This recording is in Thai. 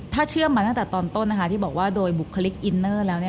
ถ้าเชื่อมมาตั้งแต่ตอนต้นที่บอกว่าโดยบุคลิกอินเนอร์แล้ว